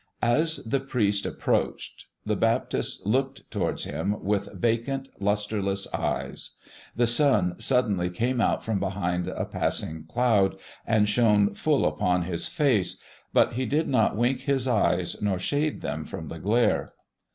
As the priest approached, the Baptist looked towards him with vacant, lustreless eyes. The sun suddenly came out from behind a passing cloud and shone full upon his face, but he did not wink his eyes nor shade them from the glare.